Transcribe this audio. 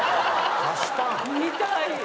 見たい。